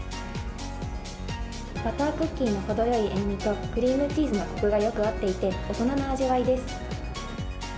バタークッキーの程よい塩みと、クリームチーズのこくがよく合っていて、大人の味わいです。